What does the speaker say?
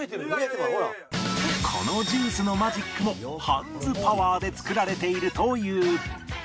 このジュースのマジックもハンズパワーで作られているという